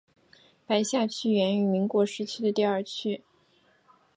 白下区源于民国时期的第二区。